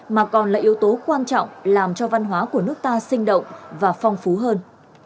mà còn là yếu tố quan trọng làm cho văn hóa của nước ta sinh động và phong phú hơn